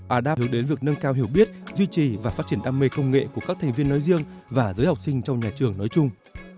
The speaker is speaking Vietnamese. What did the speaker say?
adap hướng đến việc nâng cao hiểu biết duy trì và phát triển đam mê công nghệ của các thành viên nói riêng và giới học sinh trong nhà trường nói chung